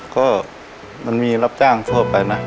ก็มันมีรับจ้างทั่วไปนะ